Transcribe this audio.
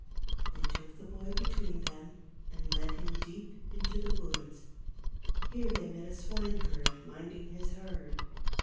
They took the boy between them and led him deep into the woods. Here they met a swine herd minding his herd.